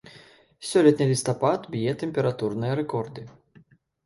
Сёлетні лістапад б'е тэмпературныя рэкорды.